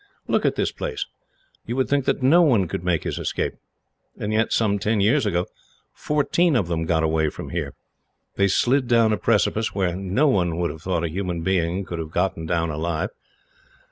Look at this place. You would think that no one could make his escape; and yet, some ten years ago, fourteen of them got away from here. They slid down a precipice, where no one would have thought a human being could have got down alive.